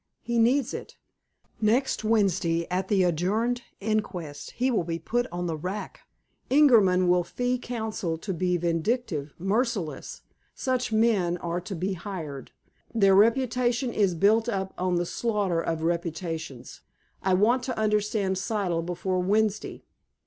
He needs it. Next Wednesday, at the adjourned inquest, he will be put on the rack. Ingerman will fee counsel to be vindictive, merciless. Such men are to be hired. Their reputation is built up on the slaughter of reputations. I want to understand Siddle before Wednesday.